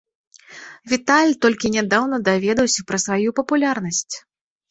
Віталь толькі нядаўна даведаўся пра сваю папулярнасць.